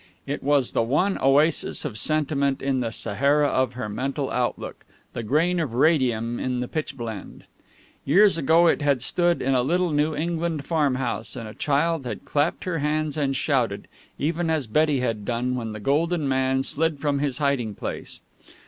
It was the one oasis of sentiment in the Sahara of her mental outlook, the grain of radium in the pitchblende. Years ago it had stood in a little New England farmhouse, and a child had clapped her hands and shouted, even as Betty had done, when the golden man slid from his hiding place.